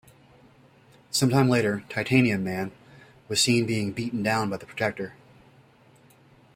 Some time later Titanium Man was seen being beaten down by the Protector.